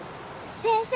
先生